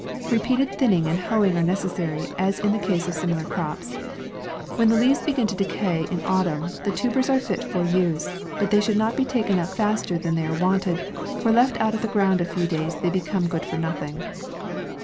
Re peated thinning and hoeing are necessary, as in the case of similar crops. When the leaves begin to decay in autumn, the tubers are fit for use, but they should not be taken up faster than they are wanted, for left out of the ground a few days, they become good for nothing.